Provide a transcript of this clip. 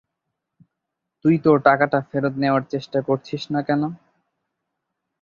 তুই তোর টাকাটা ফেরত নেওয়ার চেষ্টা করছিস না কেন?